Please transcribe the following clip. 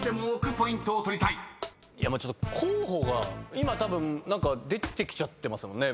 今たぶん何か出てきちゃってますもんね。